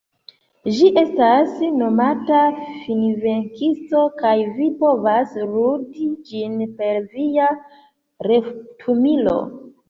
Ĝi estas nomata Finvenkisto kaj vi povas ludi ĝin per via retumilo.